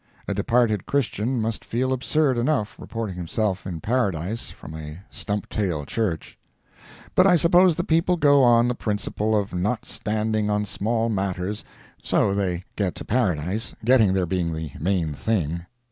A departed Christian must feel absurd enough, reporting himself in Paradise from a stump tail church. But I suppose the people go on the principle of not standing on small matters so they get to Paradise—getting there being the main thing.